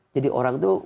jadi orang tuh